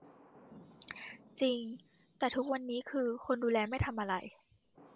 จริง แต่ทุกวันนี้คือ คนดูแลไม่ทำอะไร